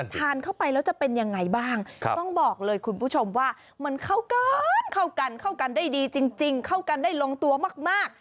ทานเข้าไปแล้วจะเป็นยังไงบ้างต้องบอกเลยคุณผู้ชมว่ามันเข้ากันเข้ากันเข้ากันได้ดีจริงเข้ากันได้ลงตัวมาก